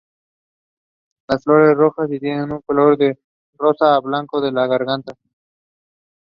Las flores rojas y tienen un color de rosa a blanco en la garganta.